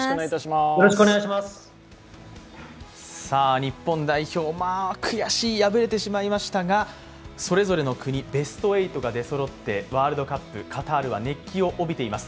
日本代表、悔しい、敗れてしまいましたがそれぞれの国、ベスト８が出そろってワールドカップ、カタールは熱気を帯びています。